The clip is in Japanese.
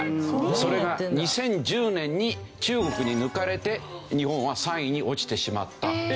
それが２０１０年に中国に抜かれて日本は３位に落ちてしまったというわけです。